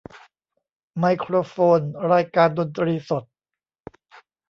ไมโครโฟน รายการดนตรีสด